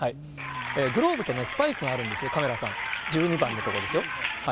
グローブとスパイクがあるんですよ、カメラさん、１２番のところですよ。